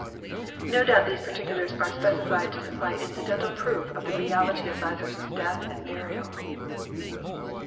No doubt these particulars are specified to supply incidental proof of the reality of Lazarus' death and burial.